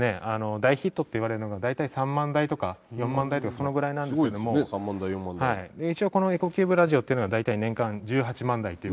大ヒットっていわれるのが大体３万台とか４万台とかそのぐらいなんですけども一応このエコキューブラジオっていうのが大体年間１８万台っていう。